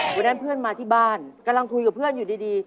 วันนั้นเพื่อนมาที่บ้านกำลังคุยกับเพื่อนอยู่ดี